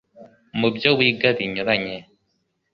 mu byo wiga binyuranye.